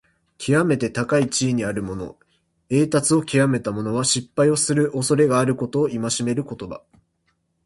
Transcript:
きわめて高い地位にあるもの、栄達をきわめた者は、失敗をするおそれがあることを戒める言葉。